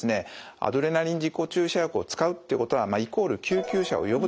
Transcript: アドレナリン自己注射薬を使うということはイコール救急車を呼ぶと。